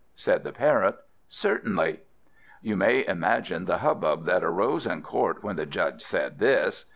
Said the Parrot, "Certainly." You may imagine the hubbub that arose in Court when the Judge said this!